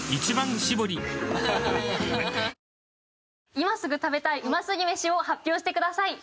今すぐ食べたい美味すぎメシを発表してください。